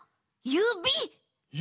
ゆび！？